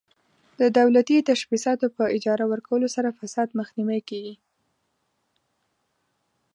د دولتي تشبثاتو په اجاره ورکولو سره فساد مخنیوی کیږي.